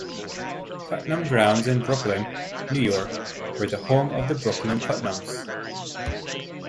Putnam Grounds in Brooklyn, New York were the home of the Brooklyn Putnams.